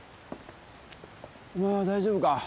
お前は大丈夫か？